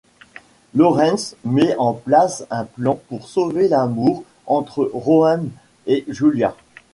Lawrence met en place un plan pour sauver l’amour entre Roem et Julia.